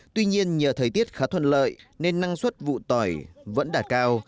tuy nhiên nhờ thời tiết khá thuận lợi nên năng suất vụ tỏi vẫn đạt cao